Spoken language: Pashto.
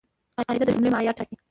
قاعده د جملې معیار ټاکي.